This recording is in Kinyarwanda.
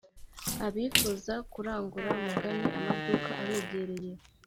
Abifuza kurangura mugane amaduka abegereye